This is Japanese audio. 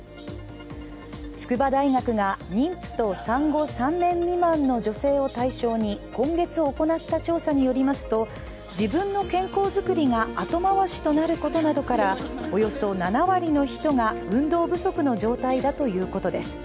筑波大学が妊婦と産後３年未満の女性を対象に今月行った調査によりますと自分の健康づくりが後回しとなることなどから、およそ７割の人が運動不足の状態だということです。